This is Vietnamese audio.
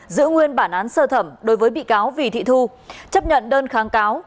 giữ nguyên bản án sơ thẩm đối với bị cáo vì thị thu chấp nhận đơn kháng cáo